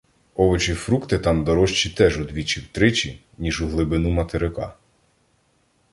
Овочі-фрукти там дорожчі теж удвічі-втричі, ніж углибину материка